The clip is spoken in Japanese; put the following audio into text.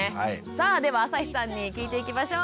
さあでは朝日さんに聞いていきましょう。